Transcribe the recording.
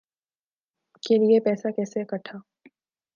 کے لیے پیسہ کیسے اکھٹا